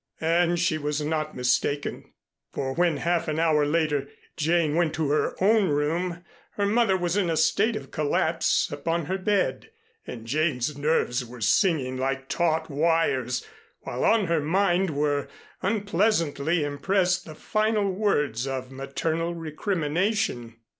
And she was not mistaken; for when half an hour later, Jane went to her own room, her mother was in a state of collapse upon her bed, and Jane's nerves were singing like taut wires, while on her mind were unpleasantly impressed the final words of maternal recrimination.